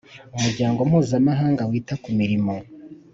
Umuryango Mpuzamahanga wita ku mirimo